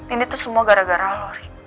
ini tuh semua gara gara lo rik